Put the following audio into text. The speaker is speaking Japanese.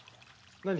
何？